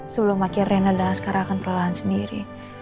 sebelum akhirnya reyna dan askara akan perlahan sendiri